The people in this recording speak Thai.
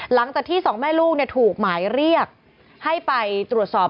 หลังจากที่สองแม่ลูกถูกหมายเรียกให้ไปตรวจสอบ